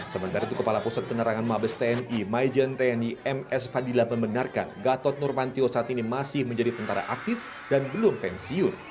sementara itu kepala pusat penerangan mabes tni maijen tni ms fadila membenarkan gatot nurmantio saat ini masih menjadi tentara aktif dan belum pensiun